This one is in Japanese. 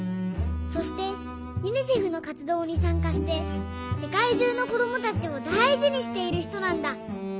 そしてユニセフのかつどうにさんかしてせかいじゅうのこどもたちをだいじにしているひとなんだ。